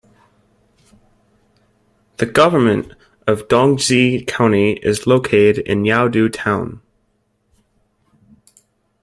The government of Dongzhi County is located in Yaodu Town.